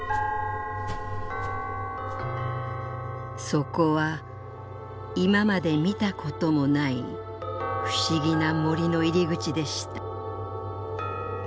「そこは今まで見たこともない不思議な森の入り口でした」。